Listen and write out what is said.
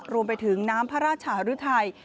รวมไปถึงน้ำพระราชหรือไทย